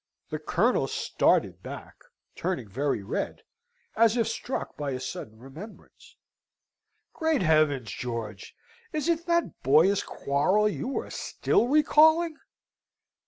The Colonel started back, turning very red, and as if struck by a sudden remembrance. "Great heavens, George! is it that boyish quarrel you are still recalling?"